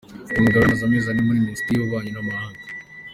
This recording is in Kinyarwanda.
Uyu mugabo yari amaze amezi ane ari Minisitiri w’Ububanyi n’amahanga.